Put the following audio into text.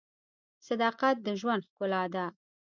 • صداقت د ژوند ښکلا ده.